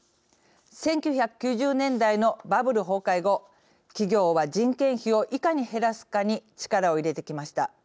１９９０年代のバブル崩壊後企業は、人件費をいかに減らすかに力を入れてきました。